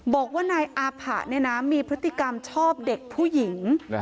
บอกว่านายอาผะมีพฤติกรรมชอบเด็กผู้หญิง